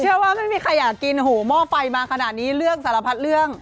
ว่าไม่มีใครอยากกินโอ้โหหม้อไฟมาขนาดนี้เรื่องสารพัดเรื่อง